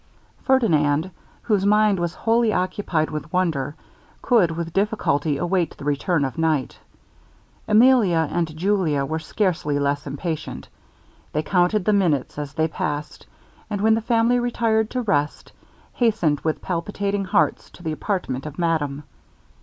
Ferdinand, whose mind was wholly occupied with wonder, could with difficulty await the return of night. Emilia and Julia were scarcely less impatient. They counted the minutes as they passed; and when the family retired to rest, hastened with palpitating hearts to the apartment of madame.